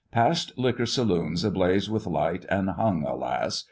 Past liquor saloons ablaze with light and hung, alas!